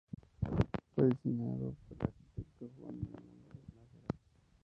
Fue diseñado por el arquitecto Juan Miramontes Nájera.